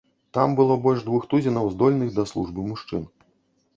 Там было больш двух тузінаў здольных да службы мужчын.